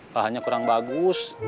bahannya kurang bagus